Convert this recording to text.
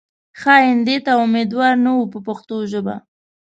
ښې ایندې ته امیدوار نه وي په پښتو ژبه.